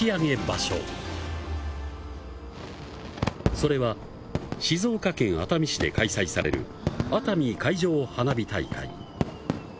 それは静岡県熱海市で開催される熱海海上花火大会。